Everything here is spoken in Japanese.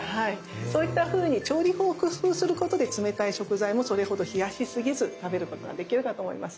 そういったふうに調理法を工夫することで冷たい食材もそれほど冷やしすぎず食べることができるかと思います。